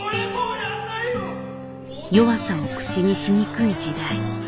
弱さを口にしにくい時代。